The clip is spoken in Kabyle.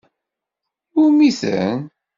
I wumi-ten?